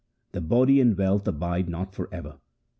The body and wealth abide not for ever.